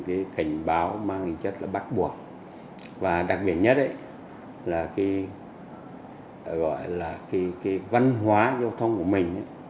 cái cảnh báo mang hình chất là bắt buộc và đặc biệt nhất là cái văn hóa giao thông của mình